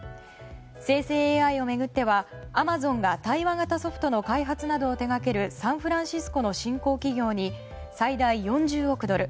生成ＡＩを巡ってはアマゾンが対話型ソフトの開発などを手掛けるサンフランシスコの新興企業に最大４０億ドル